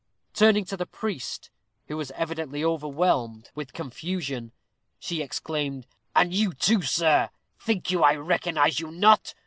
Turning to the priest, who was evidently overwhelmed with confusion, she exclaimed, "And you too, sir, think you I recognize you not?